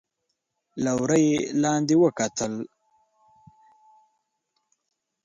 له وره يې لاندې وکتل.